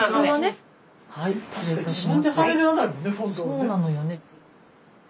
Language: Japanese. そうなのよね。